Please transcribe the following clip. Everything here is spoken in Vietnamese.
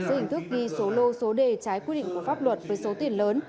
dưới hình thức ghi số lô số đề trái quy định của pháp luật với số tiền lớn